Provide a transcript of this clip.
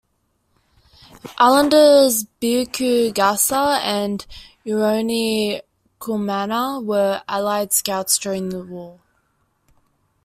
Islanders Biuku Gasa and Eroni Kumana were Allied scouts during the war.